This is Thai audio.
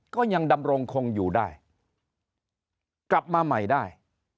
ก็ยังดำรงคงอยู่ได้กลับมาใหม่ได้